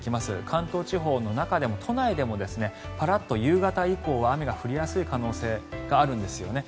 関東地方の中でも都内でもパラッと夕方以降雨が降りやすい可能性があるんですよね。